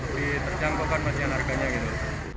lebih terjangkaukan mas yang harganya gitu